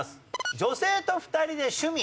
女性と２人で趣味。